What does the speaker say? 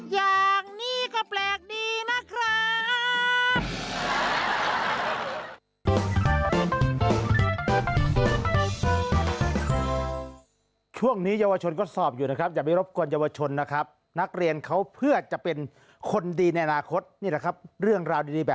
อย่างนี้ก็แปลกดีนะครับ